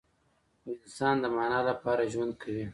خو انسان د معنی لپاره ژوند کوي.